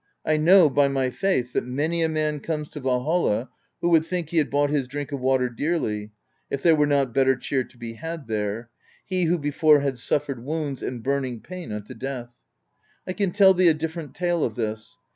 I know, by my faith! that many a man comes to Valhall who would think he had bought his drink of water dearly, if there were not better cheer to be had there, he who before had suffered wounds and burning pain unto death. I can tell thee a difFerent tale of this.